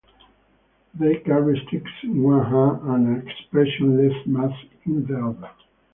They carry sticks in one hand and an expressionless mask in the other.